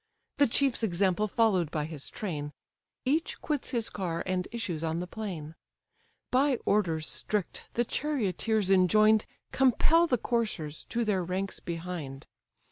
The chief's example follow'd by his train, Each quits his car, and issues on the plain, By orders strict the charioteers enjoin'd Compel the coursers to their ranks behind.